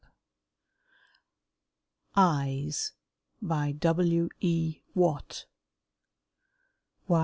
] EYES. By W. E. WATT.